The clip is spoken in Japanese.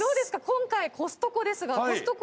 今回コストコですが。